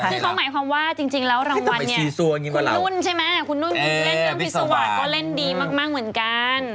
คือเขาหมายความว่าจริงแล้วรางวัลเนี่ยคุณนุ่นใช่ไหมคุณนุ่นคุณเล่นเรื่องพิษวาสก็เล่นดีมากเหมือนกัน